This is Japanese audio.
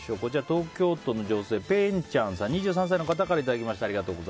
東京都の女性２３歳の方からいただきました。